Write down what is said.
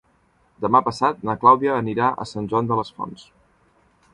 Demà passat na Clàudia anirà a Sant Joan les Fonts.